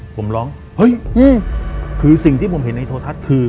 ผมร้องเฮ้ยคือสิ่งที่ผมเห็นในโทรทัศน์คือ